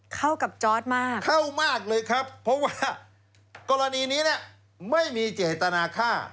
เข้ากับจอร์ดมากเข้ามากเลยครับเพราะว่ากรณีนี้เนี่ยไม่มีเจตนาฆ่า